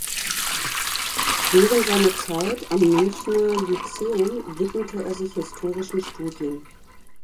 Während seiner Zeit am Münchner Lyzeum widmete er sich historischen Studien.